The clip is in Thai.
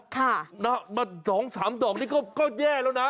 ค่ะนะมา๒๓ดอกนี่ก็แย่แล้วนะ